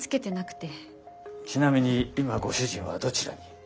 ちなみに今ご主人はどちらに？